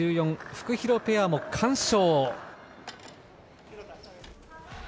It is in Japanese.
フクヒロペアも完勝！